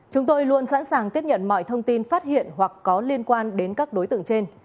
chúng tôi luôn sẵn sàng tiếp nhận mọi thông tin phát hiện hoặc có liên quan đến các đối tượng trên